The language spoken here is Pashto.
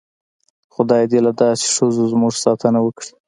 خدای دې له داسې ښځو زموږ ساتنه وکړي.